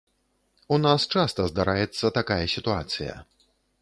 У нас часта здараецца такая сітуацыя.